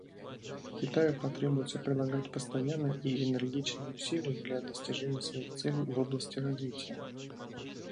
Китаю потребуется прилагать постоянные и энергичные усилия для достижения своих целей в области развития.